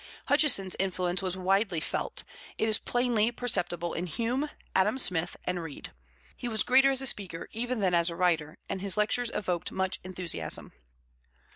Hutcheson's influence was widely felt: it is plainly perceptible in Hume, Adam Smith, and Reid. He was greater as a speaker even than as a writer, and his lectures evoked much enthusiasm.